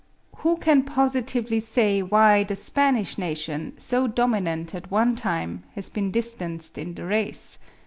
Who can positively say why the Spanish nation, so dominant at one time, has been distanced in the race.